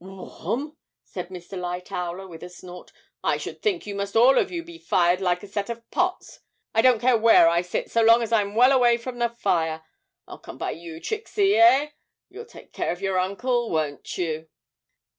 'Warm!' said Mr. Lightowler, with a snort; 'I should think you must all of you be fired like a set of pots! I don't care where I sit, so long as I'm well away from the fire. I'll come by you, Trixie, eh you'll take care of your uncle, won't you?'